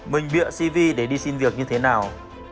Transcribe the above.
mình bịa cv để đi xin việc như thế nào